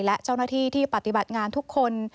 และเจ้าหน้าที่ที่ปฏิบัติงานทุกคน